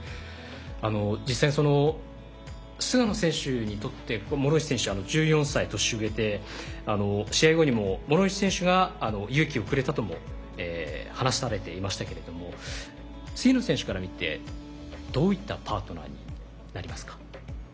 実際、菅野選手にとって諸石選手は１４歳年上で試合後にも諸石選手が勇気をくれたとも話されていましたけれども菅野選手から見てどういったパートナーになりますか。